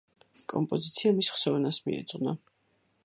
კომპოზიცია მის ხსოვნას მიეძღვნა.